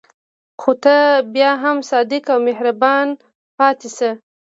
خو ته بیا هم صادق او مهربان پاتې شه.